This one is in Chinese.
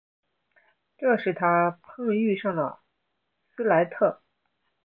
这使他碰遇上了斯莱特。